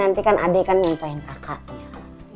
nanti kan adekan nentuin kakaknya